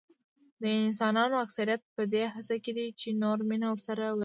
د انسانانو اکثریت په دې هڅه کې دي چې نور مینه ورسره ولري.